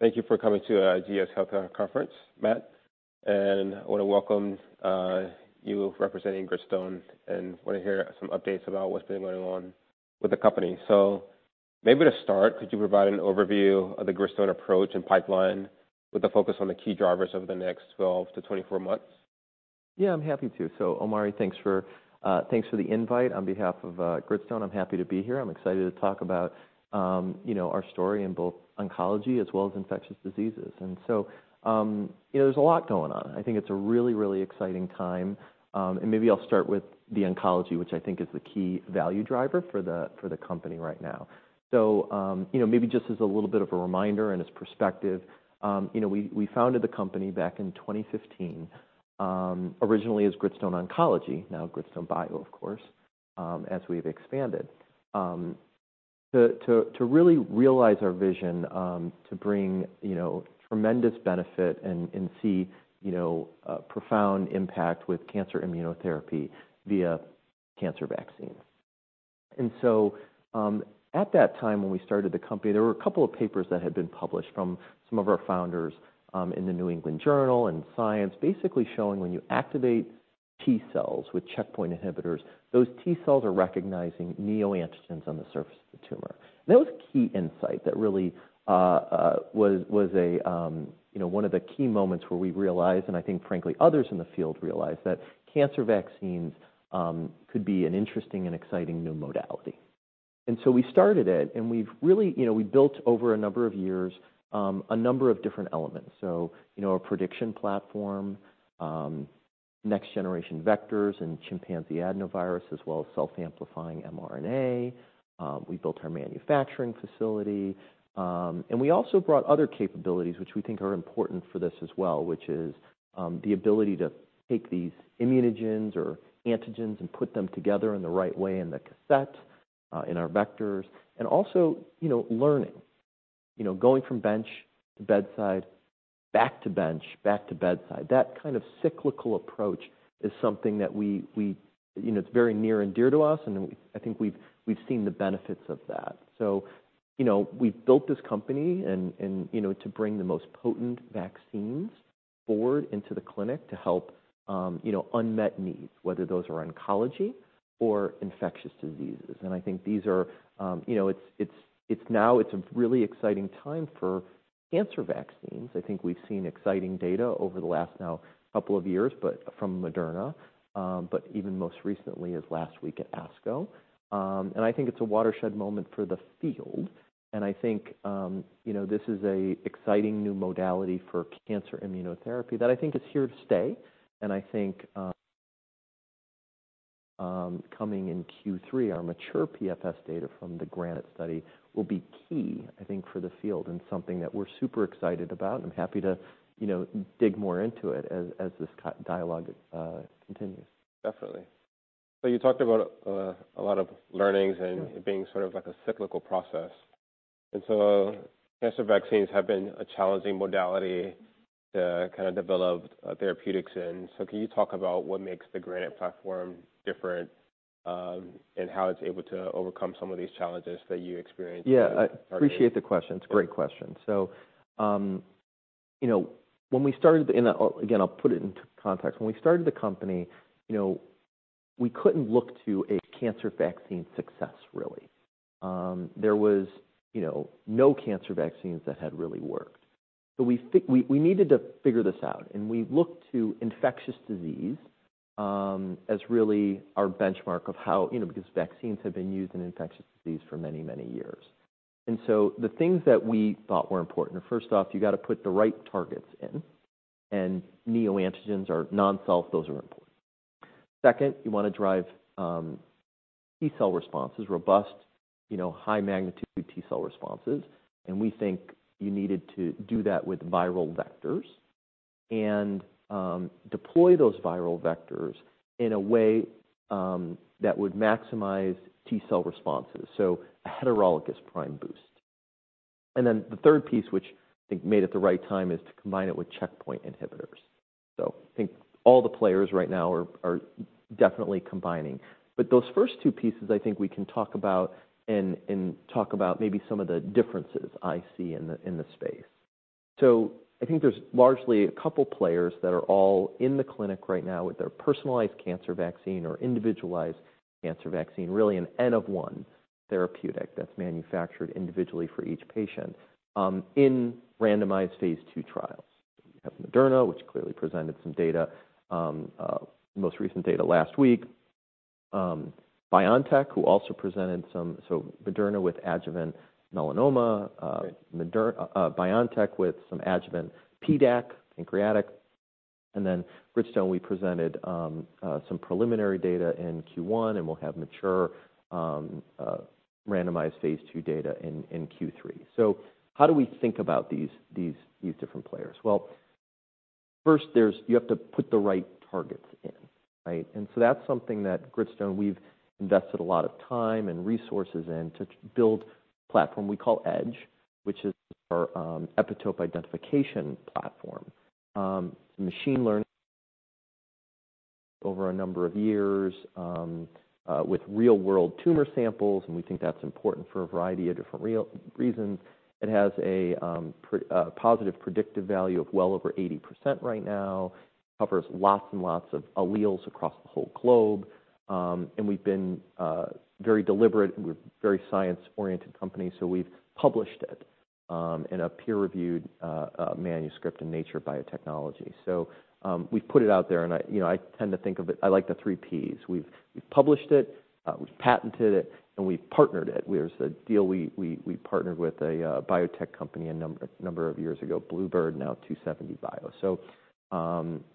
Thank you for coming to GS Healthcare Conference, Matt, and I want to welcome you representing Gritstone, and want to hear some updates about what's been going on with the company. So maybe to start, could you provide an overview of the Gritstone approach and pipeline with a focus on the key drivers over the next 12 months-24 months? Yeah, I'm happy to. So Omari, thanks for, thanks for the invite on behalf of Gritstone. I'm happy to be here. I'm excited to talk about, you know, our story in both oncology as well as infectious diseases. And so, you know, there's a lot going on. I think it's a really, really exciting time. And maybe I'll start with the oncology, which I think is the key value driver for the, for the company right now. So, you know, maybe just as a little bit of a reminder and as perspective, you know, we, we founded the company back in 2015, originally as Gritstone Oncology, now Gritstone Bio, of course, as we've expanded. To really realize our vision, to bring, you know, tremendous benefit and see, you know, a profound impact with cancer immunotherapy via cancer vaccine. So, at that time, when we started the company, there were a couple of papers that had been published from some of our founders in the New England Journal and Science, basically showing when you activate T cells with checkpoint inhibitors, those T cells are recognizing neoantigens on the surface of the tumor. That was a key insight that really was a, you know, one of the key moments where we realized, and I think frankly, others in the field realized, that cancer vaccines could be an interesting and exciting new modality. And so we started it, and we've really, you know, we built over a number of years, a number of different elements. So you know, a prediction platform, next generation vectors and chimpanzee adenovirus, as well as self-amplifying mRNA. We built our manufacturing facility, and we also brought other capabilities, which we think are important for this as well, which is, the ability to take these immunogens or antigens and put them together in the right way, in the cassette, in our vectors, and also, you know, learning. You know, going from bench to bedside, back to bench, back to bedside. That kind of cyclical approach is something that we... You know, it's very near and dear to us, and I think we've seen the benefits of that. So, you know, we've built this company and you know, to bring the most potent vaccines forward into the clinic to help you know, unmet needs, whether those are oncology or infectious diseases. And I think these are you know, it's now a really exciting time for cancer vaccines. I think we've seen exciting data over the last now couple of years, but from Moderna, but even most recently, as last week at ASCO. And I think it's a watershed moment for the field, and I think you know, this is a exciting new modality for cancer immunotherapy that I think is here to stay. I think, coming in Q3, our mature PFS data from the GRANITE study will be key, I think, for the field and something that we're super excited about, and happy to, you know, dig more into it as this dialogue continues. Definitely. So you talked about a lot of learnings- Sure ...and being sort of like a cyclical process. And so cancer vaccines have been a challenging modality to kind of develop therapeutics in. So can you talk about what makes the GRANITE platform different, and how it's able to overcome some of these challenges that you experienced? Yeah, I appreciate the question. It's a great question. So, you know, when we started, and again, I'll put it into context. When we started the company, you know, we couldn't look to a cancer vaccine success, really. There was, you know, no cancer vaccines that had really worked, so we think we needed to figure this out, and we looked to infectious disease as really our benchmark of how, you know, because vaccines have been used in infectious disease for many, many years. And so the things that we thought were important, first off, you got to put the right targets in, and neoantigens are non-self, those are important. Second, you want to drive T cell responses, robust, you know, high magnitude T cell responses, and we think you needed to do that with viral vectors and deploy those viral vectors in a way that would maximize T cell responses, so a heterologous prime boost. And then the third piece, which I think made it the right time, is to combine it with checkpoint inhibitors. So I think all the players right now are definitely combining. But those first two pieces, I think we can talk about and talk about maybe some of the differences I see in the space. So I think there's largely a couple players that are all in the clinic right now with their personalized cancer vaccine or individualized cancer vaccine, really an N of 1 therapeutic that's manufactured individually for each patient, in randomized phase II trials. We have Moderna, which clearly presented some data, most recent data last week. BioNTech, who also presented some... So Moderna with adjuvant melanoma, Right... Moderna, BioNTech with some adjuvant PDAC, pancreatic, and then Gritstone, we presented some preliminary data in Q1, and we'll have mature randomized phase II data in Q3. So how do we think about these different players? Well, first, there's... You have to put the right targets in, right? And so that's something that Gritstone, we've invested a lot of time and resources in to build a platform we call EDGE, which is our epitope identification platform. Over a number of years with real-world tumor samples, and we think that's important for a variety of different real reasons. It has a positive predictive value of well over 80% right now, covers lots and lots of alleles across the whole globe. And we've been very deliberate, and we're a very science-oriented company, so we've published it in a peer-reviewed manuscript in Nature Biotechnology. So, we've put it out there, and I, you know, I tend to think of it... I like the three Ps. We've published it, we've patented it, and we've partnered it. There's a deal, we partnered with a biotech company a number of years ago, bluebird bio, now 2seventy bio. So,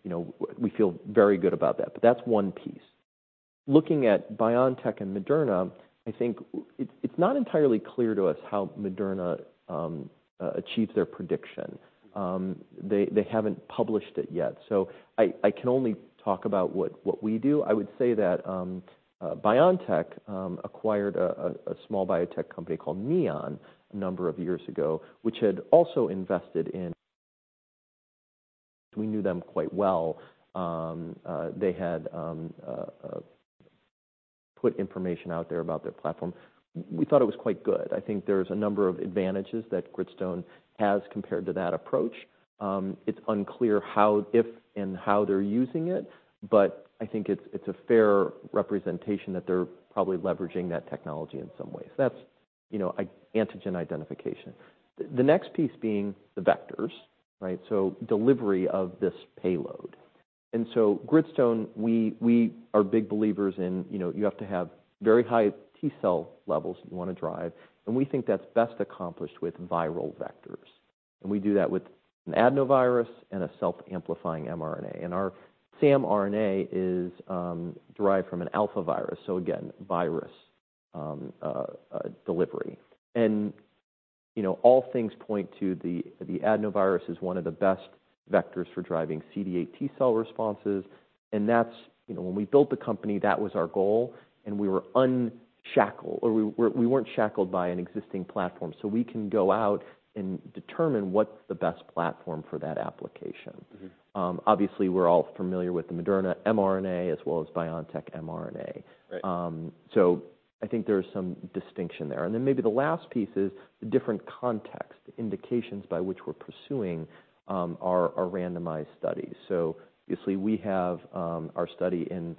you know, we feel very good about that, but that's one piece. Looking at BioNTech and Moderna, I think it's not entirely clear to us how Moderna achieves their prediction. They haven't published it yet, so I can only talk about what we do. I would say that BioNTech acquired a small biotech company called Neon a number of years ago, which had also invested in... We knew them quite well. They had put information out there about their platform. We thought it was quite good. I think there's a number of advantages that Gritstone has compared to that approach. It's unclear how, if, and how they're using it, but I think it's a fair representation that they're probably leveraging that technology in some ways. That's, you know, a antigen identification. The next piece being the vectors, right? So delivery of this payload. And so at Gritstone, we are big believers in, you know, you have to have very high T cell levels you want to drive, and we think that's best accomplished with viral vectors. And we do that with an adenovirus and a self-amplifying mRNA. And our samRNA is derived from an alphavirus, so again, virus delivery. And, you know, all things point to the adenovirus is one of the best vectors for driving CD8 T cell responses, and that's... You know, when we built the company, that was our goal, and we were unshackled, or we were- we weren't shackled by an existing platform. So we can go out and determine what's the best platform for that application. Mm-hmm. Obviously, we're all familiar with the Moderna mRNA as well as BioNTech mRNA. Right. So I think there is some distinction there. And then maybe the last piece is the different context, indications by which we're pursuing our randomized studies. So obviously, we have our study in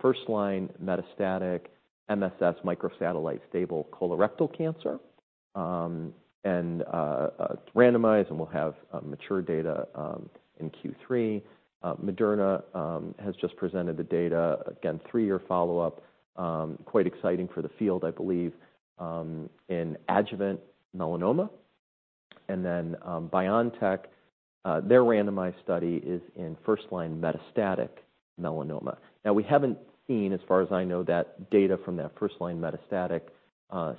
first line metastatic MSS microsatellite stable colorectal cancer, and randomized, and we'll have mature data in Q3. Moderna has just presented the data, again, three-year follow-up, quite exciting for the field, I believe, in adjuvant melanoma. And then BioNTech their randomized study is in first-line metastatic melanoma. Now, we haven't seen, as far as I know, that data from that first-line metastatic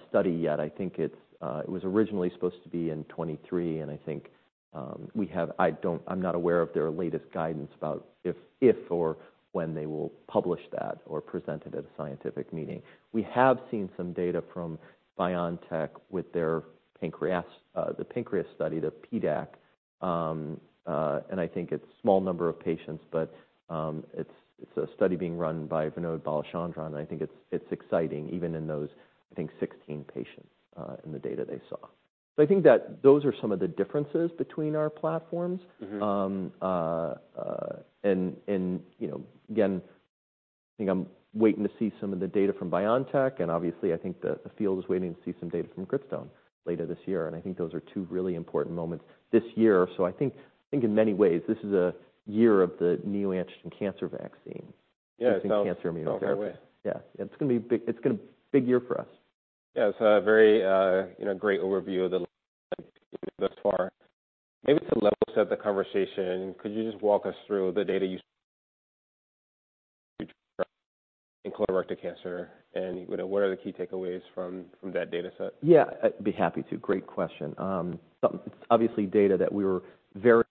study yet. I think it was originally supposed to be in 2023, and I think we have-- I don't... I'm not aware of their latest guidance about if or when they will publish that or present it at a scientific meeting. We have seen some data from BioNTech with their pancreas, the pancreas study, the PDAC. I think it's a small number of patients, but it's a study being run by Vinod Balachandran, and I think it's exciting, even in those, I think, 16 patients, in the data they saw. So I think that those are some of the differences between our platforms. Mm-hmm. You know, again, I think I'm waiting to see some of the data from BioNTech, and obviously, I think the field is waiting to see some data from Gritstone later this year. I think those are two really important moments this year. So I think in many ways, this is a year of the neoantigen cancer vaccine. Yeah. Cancer immunotherapy. No, right. Yeah. It's gonna be big, it's gonna... big year for us. Yeah. It's a very, you know, great overview of the thus far. Maybe to level set the conversation, could you just walk us through the data you ... in colorectal cancer, and, you know, what are the key takeaways from that data set? Yeah, I'd be happy to. Great question. Obviously data that we were very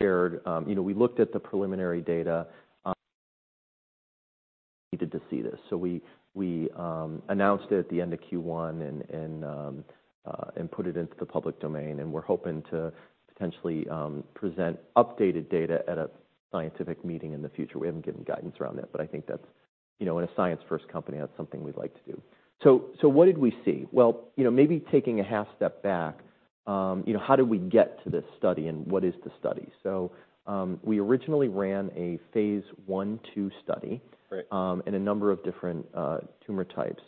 scared. You know, we looked at the preliminary data, needed to see this. So we announced it at the end of Q1 and put it into the public domain, and we're hoping to potentially present updated data at a scientific meeting in the future. We haven't given guidance around that, but I think that's, you know, in a science first company, that's something we'd like to do. So what did we see? Well, you know, maybe taking a half step back, you know, how did we get to this study and what is the study? So we originally ran a phase I/II study- Right... in a number of different tumor types.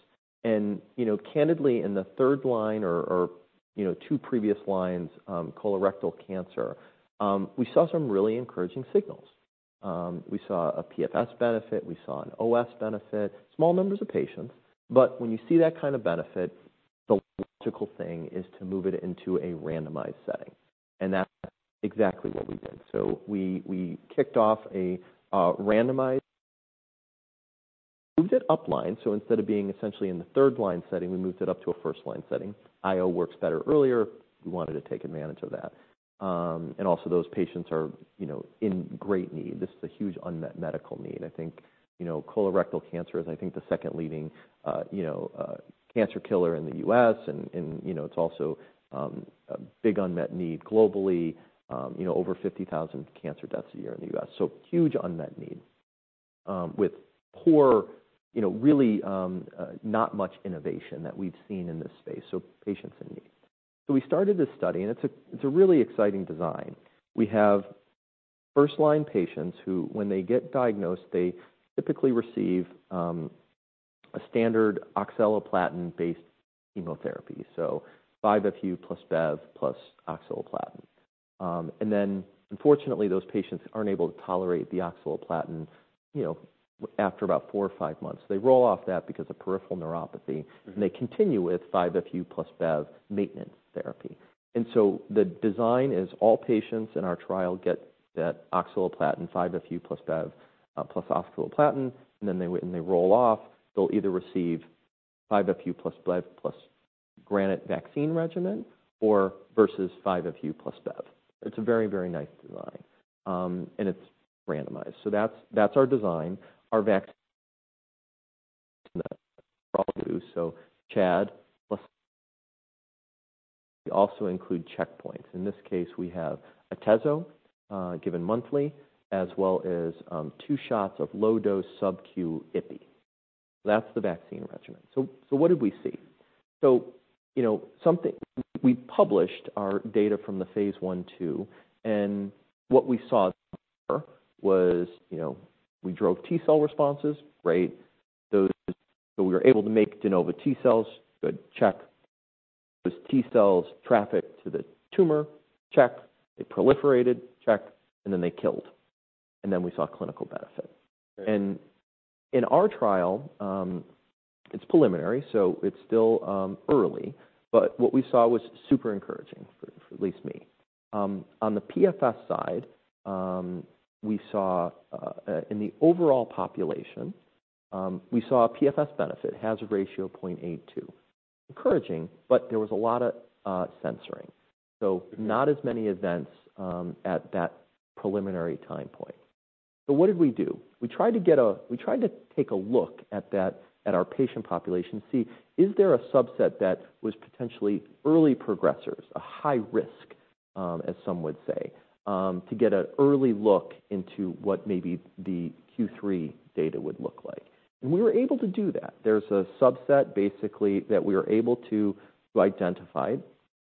And, you know, candidly, in the third line or, you know, two previous lines, colorectal cancer, we saw some really encouraging signals. We saw a PFS benefit, we saw an OS benefit, small numbers of patients. But when you see that kind of benefit, the logical thing is to move it into a randomized setting, and that's exactly what we did. So we kicked off a randomized... Moved it upline, so instead of being essentially in the third line setting, we moved it up to a first line setting. IO works better earlier, we wanted to take advantage of that. And also those patients are, you know, in great need. This is a huge unmet medical need. I think, you know, colorectal cancer is, I think, the second leading, you know, cancer killer in the U.S., and, you know, it's also, a big unmet need globally, you know, over 50,000 cancer deaths a year in the U.S. So huge unmet need... with poor, you know, really, not much innovation that we've seen in this space, so patience in me. So we started this study, and it's a really exciting design. We have first-line patients who, when they get diagnosed, they typically receive, a standard oxaliplatin-based chemotherapy, so 5-FU plus Bev plus oxaliplatin. And then, unfortunately, those patients aren't able to tolerate the oxaliplatin, you know, after about four or five months. They roll off that because of peripheral neuropathy- Mm-hmm. They continue with 5-FU plus Bev maintenance therapy. So the design is all patients in our trial get that oxaliplatin, 5-FU plus Bev plus oxaliplatin, and then they, when they roll off, they'll either receive 5-FU plus Bev plus GRANITE vaccine regimen or versus 5-FU plus Bev. It's a very, very nice design. And it's randomized. So that's, that's our design. Our vaccine does, so ChAd plus we also include checkpoints. In this case, we have Atezo given monthly, as well as two shots of low-dose subcu ipi. That's the vaccine regimen. So what did we see? So you know, something. We published our data from the phase I/II, and what we saw was, you know, we drove T cell responses, right? So we were able to make de novo T cells, good check. Those T cells traffic to the tumor, check. They proliferated, check, and then they killed, and then we saw clinical benefit. Right. In our trial, it's preliminary, so it's still early, but what we saw was super encouraging, for at least me. On the PFS side, we saw, in the overall population, we saw a PFS benefit, hazard ratio of 0.82. Encouraging, but there was a lot of censoring. Mm-hmm. So not as many events at that preliminary time point. So what did we do? We tried to take a look at that, at our patient population to see, is there a subset that was potentially early progressors, a high risk, as some would say, to get an early look into what maybe the Q3 data would look like? And we were able to do that. There's a subset, basically, that we were able to identify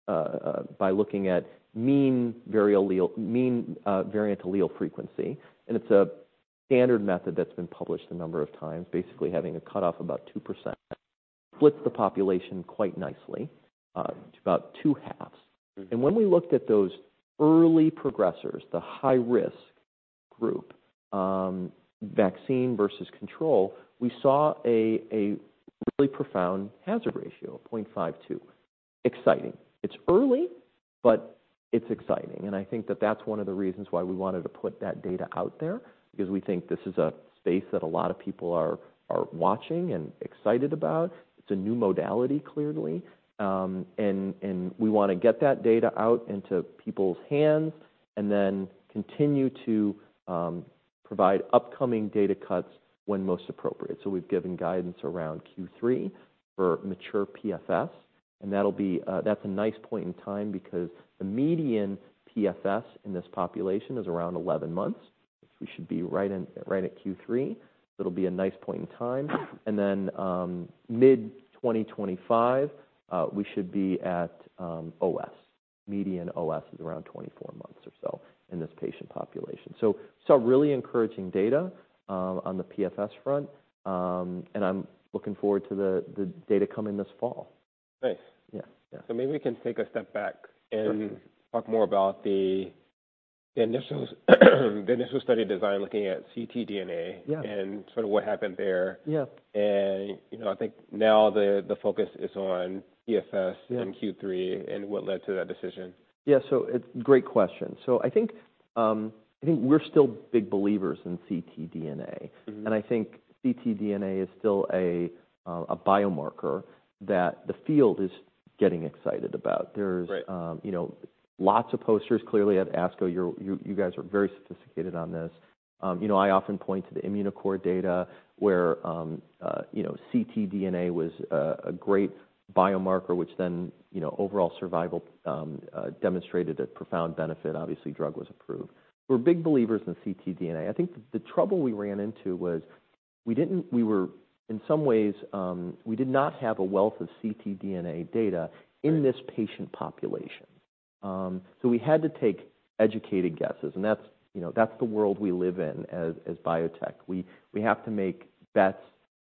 by looking at mean variant allele frequency, and it's a standard method that's been published a number of times, basically having a cutoff about 2%, splits the population quite nicely to about two halves. Mm-hmm. When we looked at those early progressors, the high-risk group, vaccine versus control, we saw a really profound hazard ratio of 0.52. Exciting. It's early, but it's exciting, and I think that that's one of the reasons why we wanted to put that data out there, because we think this is a space that a lot of people are watching and excited about. It's a new modality, clearly. And we want to get that data out into people's hands and then continue to provide upcoming data cuts when most appropriate. So we've given guidance around Q3 for mature PFS, and that'll be. That's a nice point in time because the median PFS in this population is around 11 months. We should be right in, right at Q3. It'll be a nice point in time. And then, mid-2025, we should be at OS. Median OS is around 24 months or so in this patient population. So, really encouraging data on the PFS front. And I'm looking forward to the data coming this fall. Nice. Yeah. Yeah. Maybe we can take a step back- Sure. talk more about the initial study design, looking at ctDNA Yeah. and sort of what happened there. Yeah. You know, I think now the focus is on PFS- Yeah Q3 and what led to that decision. Yeah. So it's a great question. So I think, I think we're still big believers in ctDNA. Mm-hmm. And I think ctDNA is still a biomarker that the field is getting excited about. Right. There's, you know, lots of posters clearly at ASCO. You're, you guys are very sophisticated on this. You know, I often point to the Immunocore data, where, you know, ctDNA was a great biomarker, which then, you know, overall survival demonstrated a profound benefit. Obviously, drug was approved. We're big believers in ctDNA. I think the trouble we ran into was we didn't-- we were-- in some ways, we did not have a wealth of ctDNA data- Right... in this patient population. So we had to take educated guesses, and that's, you know, that's the world we live in as biotech. We have to make bets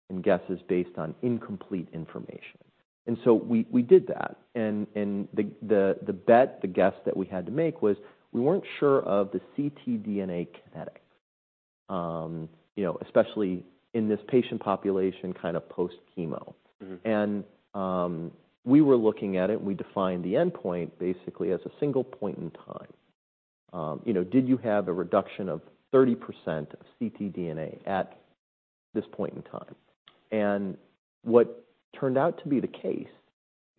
and guesses based on incomplete information. And so we did that. And the bet, the guess that we had to make was we weren't sure of the ctDNA kinetic. You know, especially in this patient population, kind of post-chemo. Mm-hmm. We were looking at it, and we defined the endpoint basically as a single point in time. You know, did you have a reduction of 30% of ctDNA at this point in time? What turned out to be the case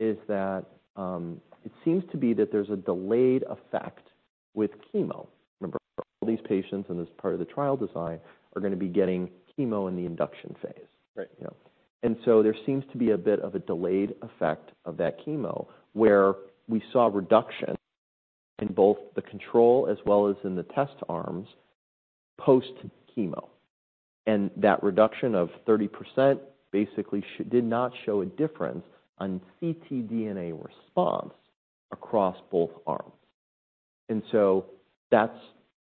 is that it seems to be that there's a delayed effect with chemo. Remember, all these patients, and this is part of the trial design, are gonna be getting chemo in the induction phase. Right. You know? And so there seems to be a bit of a delayed effect of that chemo, where we saw a reduction in both the control as well as in the test arms, post-chemo. And that reduction of 30% basically did not show a difference on ctDNA response across both arms. And so that's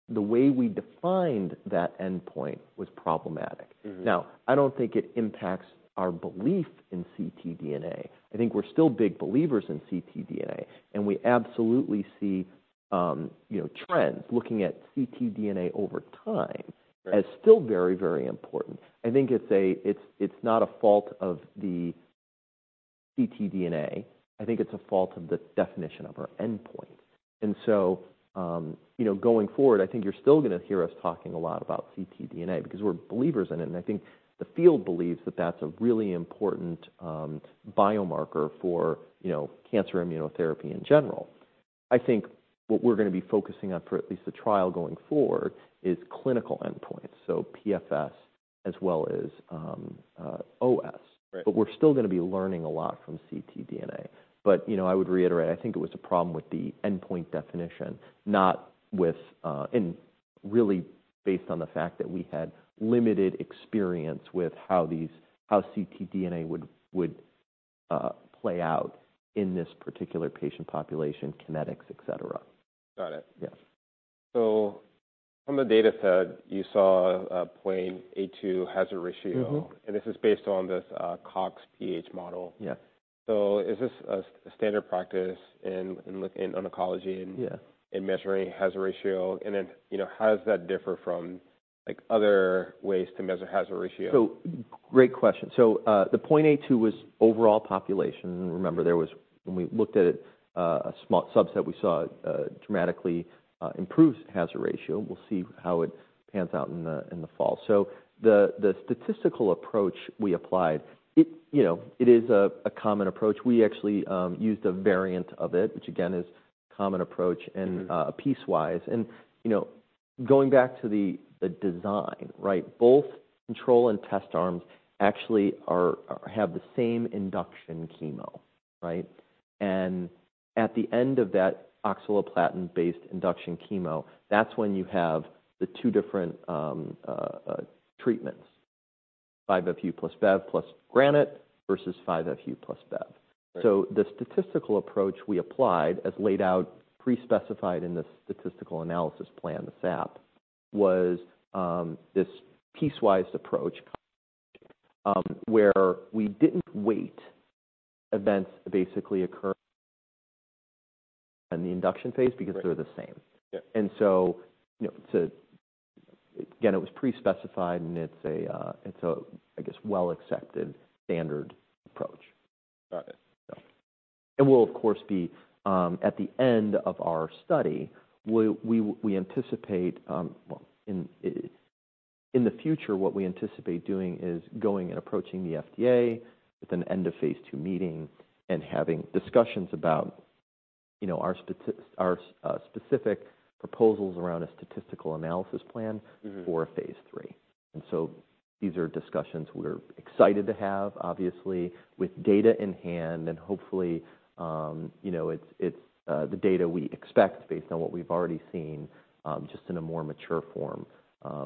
the way we defined that endpoint was problematic. Mm-hmm. Now, I don't think it impacts our belief in ctDNA. I think we're still big believers in ctDNA, and we absolutely see, you know, trends looking at ctDNA over time- Right as still very, very important. I think it's not a fault of the ctDNA. I think it's a fault of the definition of our endpoint. And so, you know, going forward, I think you're still gonna hear us talking a lot about ctDNA because we're believers in it, and I think the field believes that that's a really important biomarker for, you know, cancer immunotherapy in general. I think what we're gonna be focusing on for at least the trial going forward is clinical endpoints, so PFS as well as OS. Right. But we're still gonna be learning a lot from ctDNA. But, you know, I would reiterate, I think it was a problem with the endpoint definition, not with and really based on the fact that we had limited experience with how ctDNA would play out in this particular patient population, kinetics, et cetera. Got it. Yeah. From the dataset, you saw a 0.2 hazard ratio. Mm-hmm. This is based on this, Cox PH model. Yeah. So is this a standard practice in oncology? Yeah In measuring hazard ratio? And then, you know, how does that differ from, like, other ways to measure hazard ratio? Great question. The Part A2 was overall population. Remember, there was... when we looked at it, a small subset, we saw a dramatically improved hazard ratio. We'll see how it pans out in the fall. The statistical approach we applied, you know, it is a common approach. We actually used a variant of it, which again is common approach. Mm-hmm... and piecewise. And, you know, going back to the design, right? Both control and test arms actually have the same induction chemo, right? And at the end of that oxaliplatin-based induction chemo, that's when you have the two different treatments, 5-FU plus Bev plus GRANITE versus 5-FU plus Bev. Right. So the statistical approach we applied, as laid out, pre-specified in the statistical analysis plan, the SAP, was this piecewise approach, where we didn't wait, events basically occur in the induction phase- Right - because they're the same. Yeah. And so, you know, to... Again, it was pre-specified, and it's a, it's a, I guess, well-accepted standard approach. Got it. We'll of course be at the end of our study, we anticipate, well, in the future, what we anticipate doing is going and approaching the FDA with an end of phase II meeting and having discussions about, you know, our specific proposals around a statistical analysis plan. Mm-hmm for phase III. And so these are discussions we're excited to have, obviously, with data in hand, and hopefully, you know, it's the data we expect, based on what we've already seen, just in a more mature form,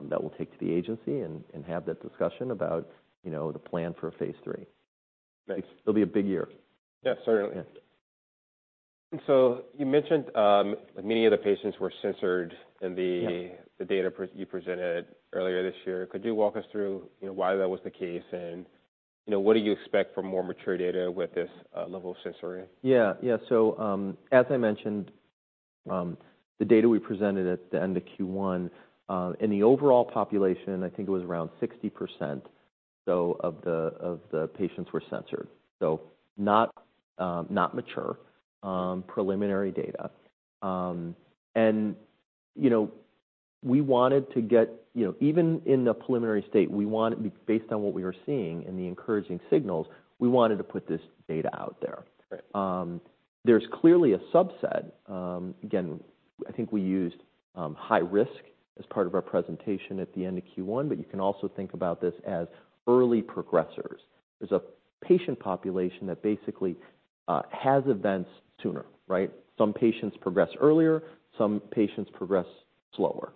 that we'll take to the agency and have that discussion about, you know, the plan for phase III. Right. It'll be a big year. Yeah, certainly. Yeah. So you mentioned, many of the patients were censored in the- Yeah the data you presented earlier this year. Could you walk us through, you know, why that was the case? And, you know, what do you expect from more mature data with this level of censoring? Yeah. Yeah. So, as I mentioned, the data we presented at the end of Q1, in the overall population, I think it was around 60%, so of the, of the patients were censored, so not, not mature, preliminary data. And, you know, we wanted to get... You know, even in the preliminary state, we wanted, based on what we were seeing and the encouraging signals, we wanted to put this data out there. Right. There's clearly a subset. Again, I think we used high risk as part of our presentation at the end of Q1, but you can also think about this as early progressors. There's a patient population that basically has events sooner, right? Some patients progress earlier, some patients progress slower.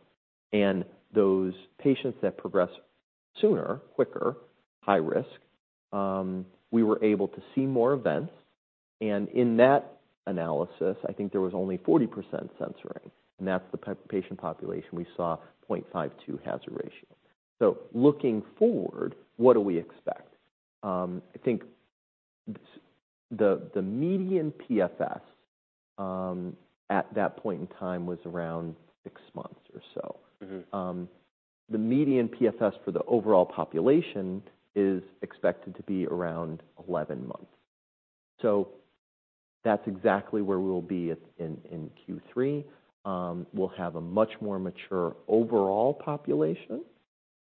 And those patients that progress sooner, quicker, high risk, we were able to see more events, and in that analysis, I think there was only 40% censoring, and that's the patient population we saw 0.52 hazard ratio. So looking forward, what do we expect? I think the median PFS at that point in time was around 6 months or so. Mm-hmm. The median PFS for the overall population is expected to be around 11 months. So that's exactly where we'll be at in Q3. We'll have a much more mature overall population,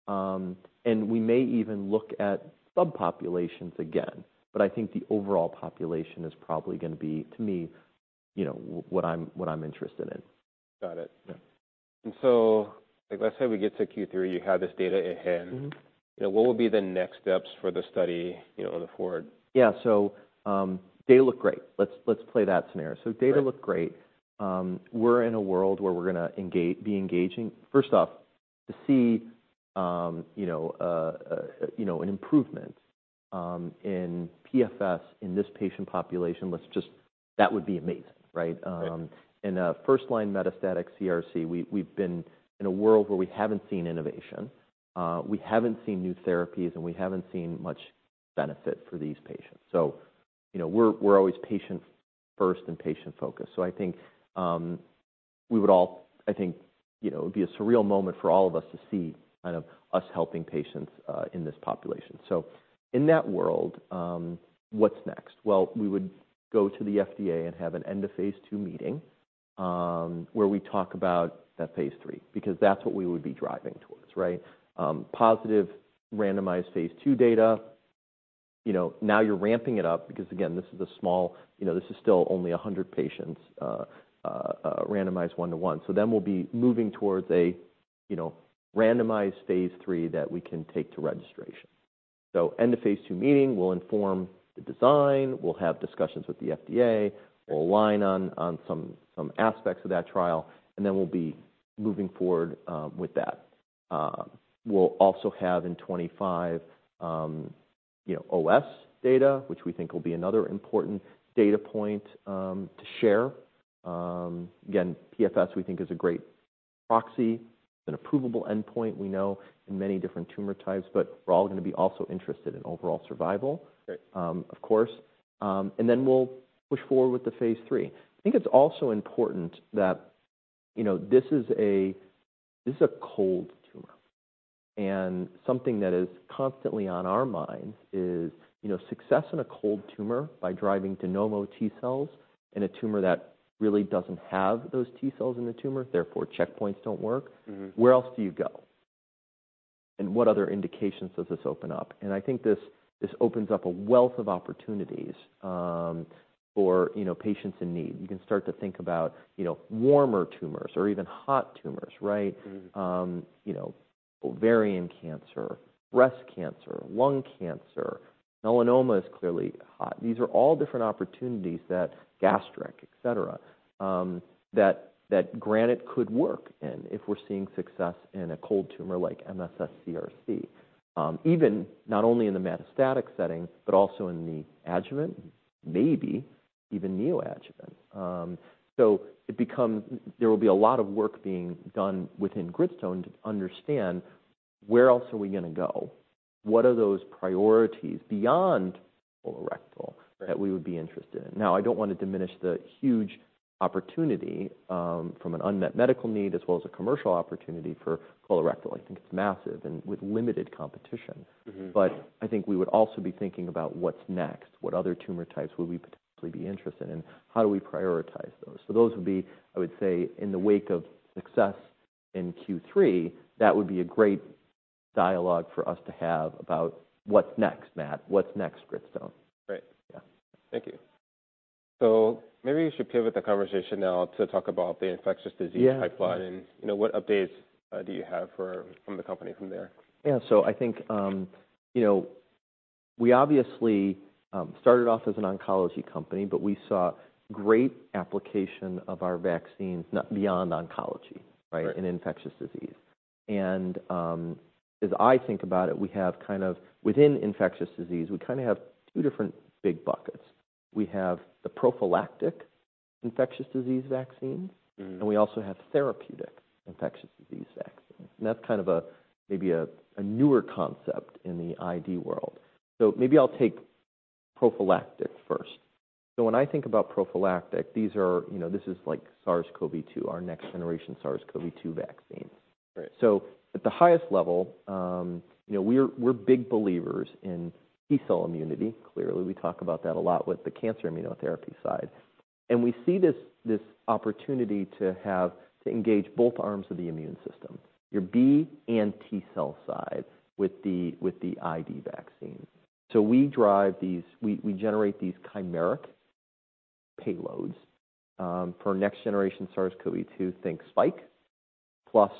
and we may even look at subpopulations again, but I think the overall population is probably gonna be, to me, you know, what I'm interested in. Got it. Yeah... And so like, let's say we get to Q3, you have this data in hand. Mm-hmm. You know, what would be the next steps for the study, you know, on the forward? Yeah, data look great. Let's play that scenario. Right. So data look great. We're in a world where we're gonna engage, be engaging. First off, to see, you know, an improvement in PFS in this patient population, let's just - that would be amazing, right? Right. In a first-line metastatic CRC, we, we've been in a world where we haven't seen innovation, we haven't seen new therapies, and we haven't seen much benefit for these patients. So, you know, we're, we're always patient first and patient focused. So I think, we would all, I think, you know, it would be a surreal moment for all of us to see kind of us helping patients, in this population. So in that world, what's next? Well, we would go to the FDA and have an end of phase II meeting, where we talk about that phase III, because that's what we would be driving towards, right? Positive randomized phase II data. You know, now you're ramping it up because, again, this is a small... You know, this is still only 100 patients, randomized 1:1. So then we'll be moving towards a you know randomized phase III that we can take to registration. So end of phase II meeting, we'll inform the design, we'll have discussions with the FDA, we'll align on some aspects of that trial, and then we'll be moving forward with that. We'll also have in 2025 you know OS data, which we think will be another important data point to share. Again, PFS, we think is a great proxy, an approvable endpoint we know in many different tumor types, but we're all gonna be also interested in overall survival- Right... of course. Then we'll push forward with the phase III. I think it's also important that, you know, this is a cold tumor. Something that is constantly on our mind is, you know, success in a cold tumor by driving to neoantigen T cells in a tumor that really doesn't have those T cells in the tumor, therefore, checkpoints don't work. Mm-hmm. Where else do you go? And what other indications does this open up? And I think this, this opens up a wealth of opportunities for, you know, patients in need. You can start to think about, you know, warmer tumors or even hot tumors, right? Mm-hmm. You know, ovarian cancer, breast cancer, lung cancer, melanoma is clearly hot. These are all different opportunities that gastric, etc., that GRANITE could work in if we're seeing success in a cold tumor like MSS CRC. Even not only in the metastatic setting, but also in the adjuvant, maybe even neoadjuvant. There will be a lot of work being done within Gritstone to understand: where else are we gonna go? What are those priorities beyond colorectal- Right... that we would be interested in? Now, I don't want to diminish the huge opportunity, from an unmet medical need, as well as a commercial opportunity for colorectal. I think it's massive and with limited competition. Mm-hmm. But I think we would also be thinking about what's next, what other tumor types would we potentially be interested in, and how do we prioritize those? So those would be, I would say, in the wake of success in Q3, that would be a great dialogue for us to have about what's next, Matt, what's next, Gritstone. Great. Yeah. Thank you. So maybe we should pivot the conversation now to talk about the infectious disease- Yeah ...pipeline, and you know, what updates do you have from the company from there? Yeah, so I think, you know, we obviously started off as an oncology company, but we saw great application of our vaccines, not beyond oncology, right? Right. In infectious disease. And, as I think about it, we have kind of within infectious disease, we kinda have two different big buckets. We have the prophylactic infectious disease vaccines- Mm-hmm... and we also have therapeutic infectious disease vaccines. And that's kind of a, maybe a, a newer concept in the ID world. So maybe I'll take prophylactic first. So when I think about prophylactic, these are, you know, this is like SARS-CoV-2, our next generation SARS-CoV-2 vaccines. Right. So at the highest level, you know, we're big believers in T cell immunity. Clearly, we talk about that a lot with the cancer immunotherapy side. And we see this opportunity to engage both arms of the immune system, your B and T cell side, with the ID vaccine. So we generate these chimeric payloads for next generation SARS-CoV-2, think spike plus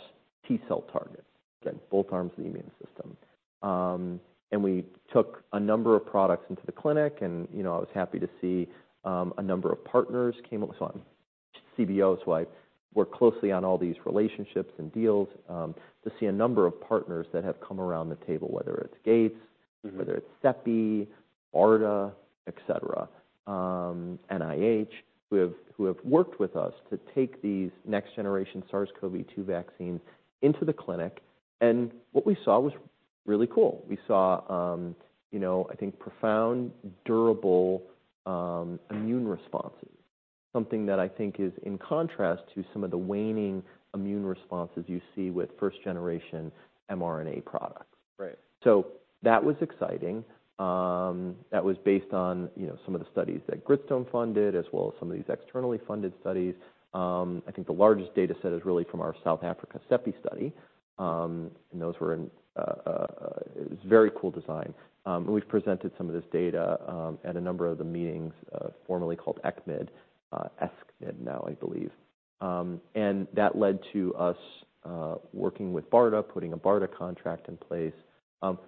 T cell target. Again, both arms of the immune system. And we took a number of products into the clinic, and, you know, I was happy to see a number of partners came on board, so I worked closely on all these relationships and deals to see a number of partners that have come around the table, whether it's Gates- Mm-hmm... whether it's CEPI, BARDA, etc., NIH, who have worked with us to take these next generation SARS-CoV-2 vaccines into the clinic, and what we saw was really cool. We saw, you know, I think, profound, durable, immune responses, something that I think is in contrast to some of the waning immune responses you see with first-generation mRNA products. Right. So that was exciting. That was based on, you know, some of the studies that Gritstone funded, as well as some of these externally funded studies. I think the largest data set is really from our South Africa CEPI study. And those were in... It's a very cool design. And we've presented some of this data at a number of the meetings, formerly called ECCMID, ESCMID now, I believe. And that led to us working with BARDA, putting a BARDA contract in place.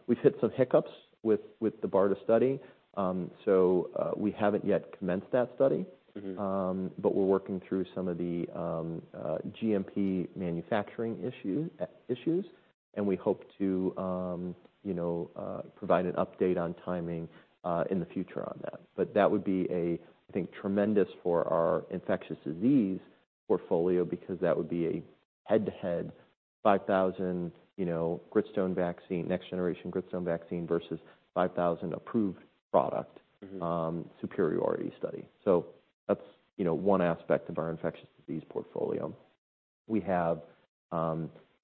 We've hit some hiccups with the BARDA study, so we haven't yet commenced that study. Mm-hmm. But we're working through some of the GMP manufacturing issues, and we hope to, you know, provide an update on timing in the future on that. But that would be a, I think, tremendous for our infectious disease portfolio, because that would be a head-to-head 5,000, you know, Gritstone vaccine, next-generation Gritstone vaccine versus 5,000 approved product- Mm-hmm superiority study. So that's, you know, one aspect of our infectious disease portfolio. We have,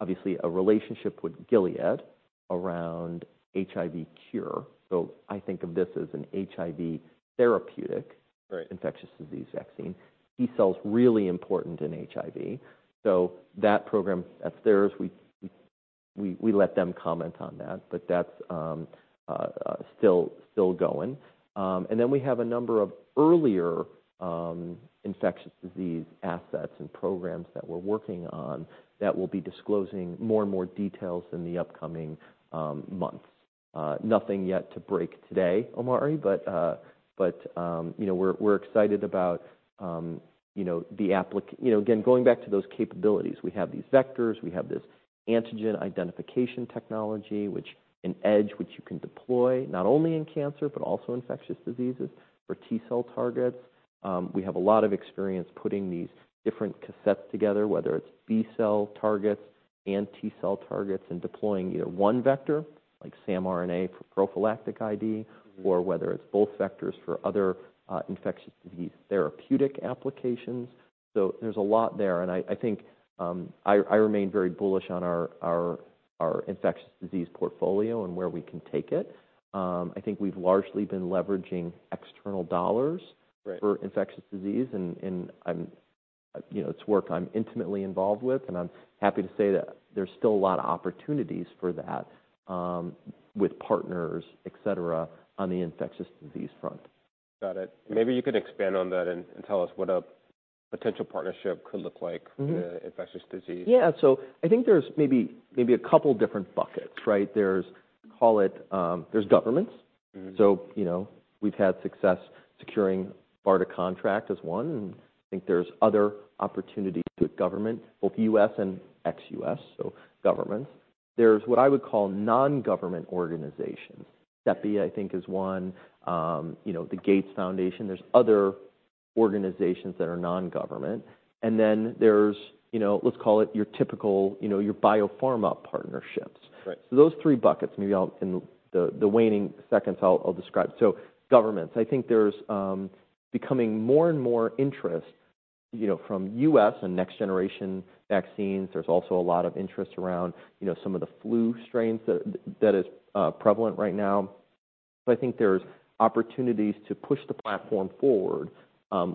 obviously, a relationship with Gilead around HIV cure, so I think of this as an HIV therapeutic- Right infectious disease vaccine. T-cell's really important in HIV, so that program, that's theirs. We let them comment on that, but that's still going. And then we have a number of earlier infectious disease assets and programs that we're working on that we'll be disclosing more and more details in the upcoming months. Nothing yet to break today, Omari, but you know, we're excited about you know, the applic... You know, again, going back to those capabilities, we have these vectors, we have this antigen identification technology, which EDGE, which you can deploy, not only in cancer, but also infectious diseases for T-cell targets. We have a lot of experience putting these different cassettes together, whether it's B-cell targets and T-cell targets, and deploying either one vector, like samRNA, for prophylactic ID- Mm-hmm -or whether it's both vectors for other, infectious disease therapeutic applications. So there's a lot there, and I think I remain very bullish on our infectious disease portfolio and where we can take it. I think we've largely been leveraging external dollars- Right for infectious disease, and you know, it's work I'm intimately involved with, and I'm happy to say that there's still a lot of opportunities for that, with partners, et cetera, on the infectious disease front. Got it. Maybe you can expand on that and tell us what a potential partnership could look like? Mm-hmm in the infectious disease. Yeah. So I think there's maybe, maybe a couple different buckets, right? There's, call it, there's governments. Mm-hmm. So, you know, we've had success securing BARDA contract as one, and I think there's other opportunities with government, both U.S. and ex-U.S., so governments. There's what I would call non-government organizations. CEPI, I think, is one, you know, the Gates Foundation. There's other organizations that are non-government. And then there's, you know, let's call it your typical, you know, your biopharma partnerships. Right. So those three buckets, maybe I'll describe in the waning seconds. So governments, I think there's becoming more and more interest, you know, from US and next-generation vaccines. There's also a lot of interest around, you know, some of the flu strains that is prevalent right now. So I think there's opportunities to push the platform forward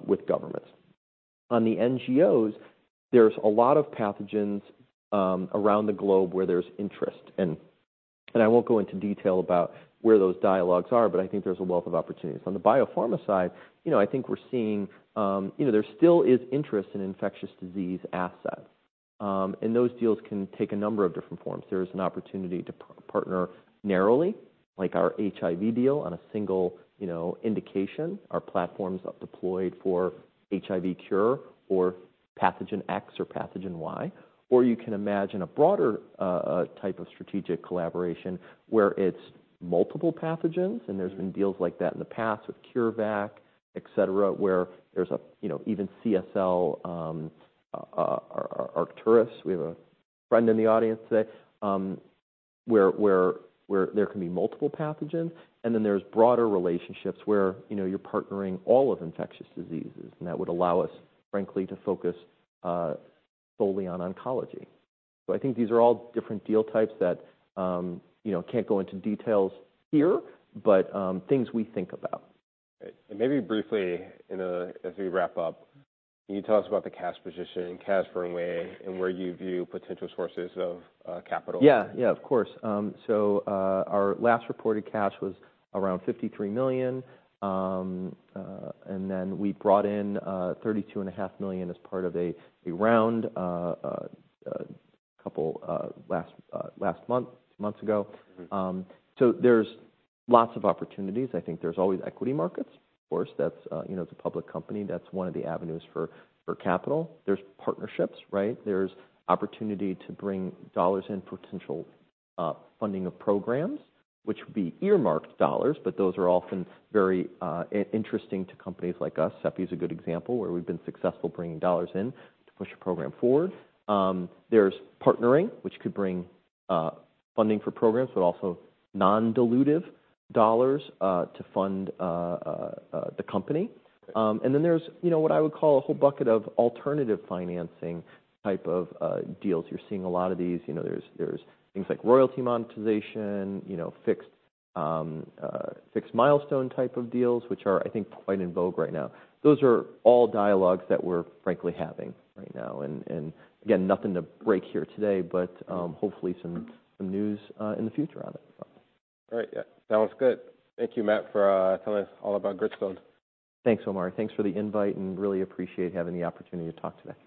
with governments. On the NGOs, there's a lot of pathogens around the globe where there's interest, and I won't go into detail about where those dialogues are, but I think there's a wealth of opportunities. On the biopharma side, you know, I think we're seeing, you know, there still is interest in infectious disease assets, and those deals can take a number of different forms. There is an opportunity to partner narrowly, like our HIV deal on a single, you know, indication. Our platforms are deployed for HIV cure or pathogen X or pathogen Y. Or you can imagine a broader type of strategic collaboration, where it's multiple pathogens, and there's been deals like that in the past with CureVac, et cetera, where there's a, you know, even CSL, Arcturus, we have a friend in the audience today, where there can be multiple pathogens, and then there's broader relationships where, you know, you're partnering all of infectious diseases, and that would allow us, frankly, to focus solely on oncology. So I think these are all different deal types that, you know, can't go into details here, but things we think about. Right. And maybe briefly, as we wrap up, can you tell us about the cash position, cash burn rate, and where you view potential sources of capital? Yeah, yeah, of course. So, our last reported cash was around $53 million. And then we brought in $32.5 million as part of a round a couple months ago. Mm-hmm. So there's lots of opportunities. I think there's always equity markets. Of course, that's, you know, it's a public company. That's one of the avenues for capital. There's partnerships, right? There's opportunity to bring dollars in potential funding of programs, which would be earmarked dollars, but those are often very interesting to companies like us. CEPI is a good example where we've been successful bringing dollars in to push a program forward. There's partnering, which could bring funding for programs, but also non-dilutive dollars to fund the company. Right. And then there's, you know, what I would call a whole bucket of alternative financing type of deals. You're seeing a lot of these. You know, there's things like royalty monetization, you know, fixed milestone type of deals, which are, I think, quite in vogue right now. Those are all dialogues that we're frankly having right now, and again, nothing to break here today, but, hopefully some news in the future on it. Great. Yeah, sounds good. Thank you, Matt, for telling us all about Gritstone. Thanks, Omari. Thanks for the invite, and really appreciate having the opportunity to talk today.